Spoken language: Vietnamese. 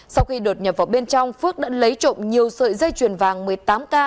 sau khi đột nhập vào bên trong phước đã lấy trộm nhiều sợi dây chuyền vàng một mươi tám k